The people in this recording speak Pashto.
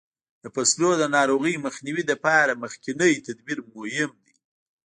د فصلو د ناروغیو مخنیوي لپاره مخکینی تدبیر مهم دی.